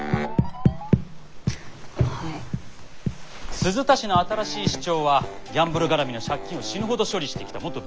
鈴田市の新しい市長はギャンブルがらみの借金を死ぬほど処理してきた元弁護士です。